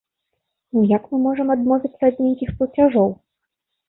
Ну як мы можам адмовіцца ад нейкіх плацяжоў?